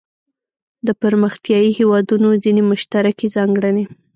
د پرمختیايي هیوادونو ځینې مشترکې ځانګړنې.